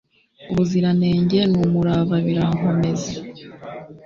ubuziranenge n'umurava birankomeze